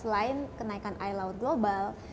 selain kenaikan air laut global